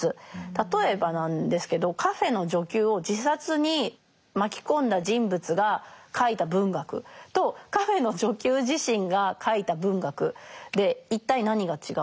例えばなんですけどカフェーの女給を自殺に巻き込んだ人物が書いた文学とカフェーの女給自身が書いた文学で一体何が違うのか。